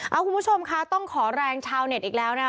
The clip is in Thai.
เอาคุณผู้ชมค่ะต้องขอแรงชาวเน็ตอีกแล้วนะคะ